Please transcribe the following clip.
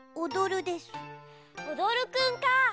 おどるくんか。